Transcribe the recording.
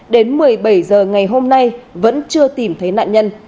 đến một mươi bảy h ngày hôm nay vẫn chưa tìm thấy nạn nhân